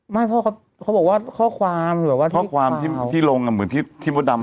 ไม่เพราะเขาบอกว่าข้อความหรือว่าข้อความที่ลงเหมือนที่มดดำ